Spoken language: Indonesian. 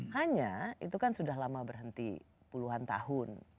hanya itu kan sudah lama berhenti puluhan tahun